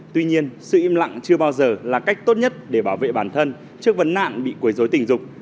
tuy nhiên sự im lặng chưa bao giờ là cách tốt nhất để bảo vệ bản thân trước vấn nạn bị quấy dối tình dục